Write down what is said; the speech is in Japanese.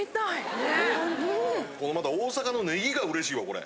このまた大阪のネギが嬉しいわこれ。